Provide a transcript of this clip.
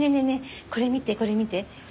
えこれ見てこれ見て。